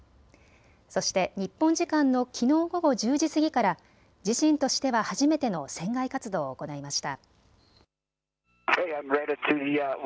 そして日本時間のきのう午後１０時過ぎから自身としては初めての船外活動を行いました。